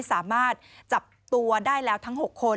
สามารถจับตัวได้แล้วทั้ง๖คน